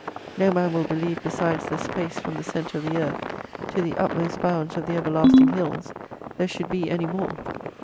No man will believe besides the space from the centre of the earth to the utmost bounds of the everlasting hills, there should be any more.